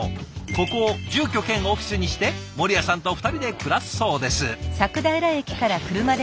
ここを住居兼オフィスにして守屋さんと２人で暮らすそうです。